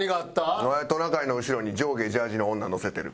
トナカイの後ろに上下ジャージーの女乗せてる。